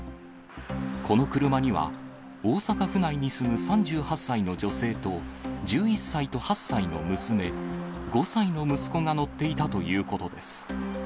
この車には、大阪府内に住む３８歳の女性と、１１歳と８歳の娘、５歳の息子が乗っていたということです。